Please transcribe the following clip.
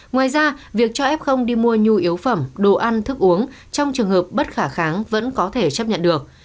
ngoài ra việc cho f đi mua nhu yếu phẩm đồ ăn thức uống trong trường hợp bất khả kháng vẫn có thể chấp nhận được